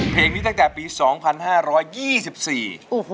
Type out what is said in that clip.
เพลงนี้ตั้งแต่ปีสองพันห้าร้อยยี่สิบสี่โอ้โห